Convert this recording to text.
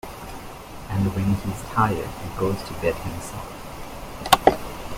And when he's tired he goes to bed himself.